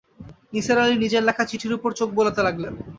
নিসার আলি নিজের লেখা চিঠির উপর চোখ বোলাতে লাগলেন।